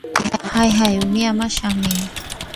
High - hi উনি আমার স্বামী।